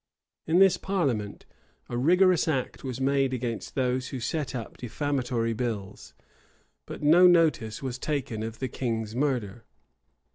[] In this parliament a rigorous act was made against those who set up defamatory bills; but no notice was taken of the king's murder.